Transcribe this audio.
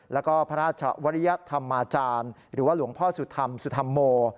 แล้วก็พระราชวริยธรรมาจารย์หรือว่าหลวงพ่อสุธรรมสุธรรมโม